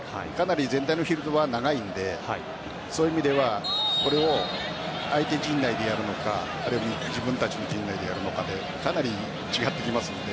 全体のフィールドが長いのでそういう意味ではそれを相手陣内でやるのかあるいは自分たちの陣内でやるかでかなり違ってきますので。